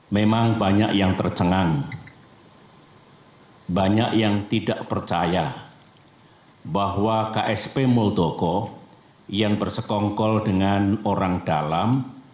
memang banyak yang tercengang banyak yang tidak percaya bahwa ksp muldoko yang bersekongkol dengan orang dalam